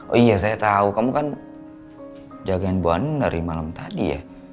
oh iya saya tahu kamu kan jagain bone dari malam tadi ya